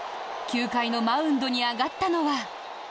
９回のマウンドに上がったのは。